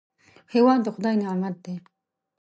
هېواد د خدای نعمت دی